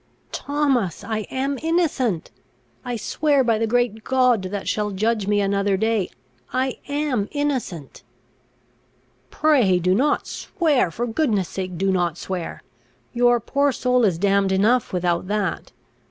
"Thomas, I am innocent! I swear by the great God that shall judge me another day, I am innocent!" "Pray, do not swear! for goodness' sake, do not swear! your poor soul is damned enough without that.